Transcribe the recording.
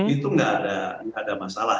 itu enggak ada masalah